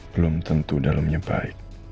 belum tentu dalamnya baik